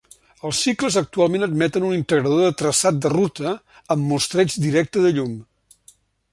Els cicles actualment admeten un integrador de traçat de ruta amb mostreig directe de llum.